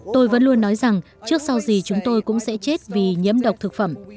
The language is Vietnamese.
tôi vẫn luôn nói rằng trước sau gì chúng tôi cũng sẽ chết vì nhiễm độc thực phẩm